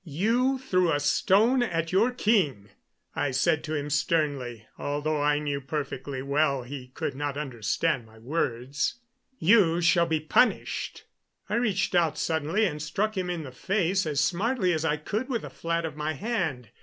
"You threw a stone at your king," I said to him sternly, although I knew perfectly well he could not understand my words. "You shall be punished." I reached out suddenly and struck him in the face as smartly as I could with the flat of my hand.